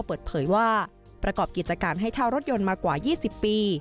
เปิดเผยว่าประกอบกิจการให้เช่ารถยนต์มากว่า๒๐ปี